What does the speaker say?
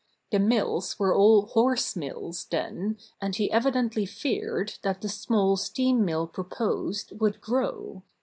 The mills were all horse mills then, and he evidently feared that the small steam mill proposed would grow.